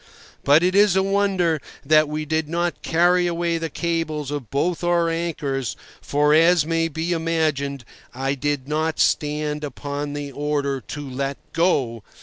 But it is a wonder that we did not carry away the cables of both our anchors, for, as may be imagined, I did not stand upon the order to "Let go!"